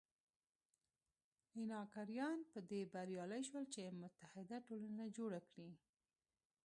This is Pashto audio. اینکاریان په دې بریالي شول چې متحد ټولنه جوړه کړي.